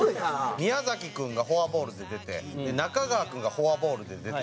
宮君がフォアボールで出て中川君がフォアボールで出て。